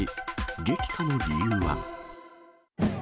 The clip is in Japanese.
激化の理由は？